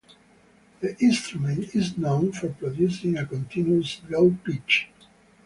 The instrument is known for producing a continuous, low pitch.